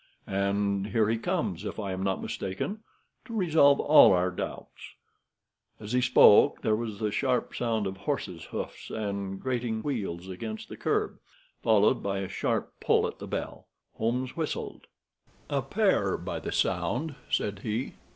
And here he comes, if I am not mistaken, to resolve all our doubts." As he spoke there was the sharp sound of horses' hoofs and grating wheels against the curb, followed by a sharp pull at the bell. Holmes whistled. "A pair, by the sound," said he.